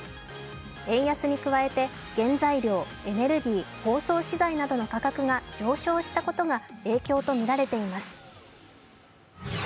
円安に加えて、原材料・エネルギー・包装資材などの価格が上昇したことが影響とみられています。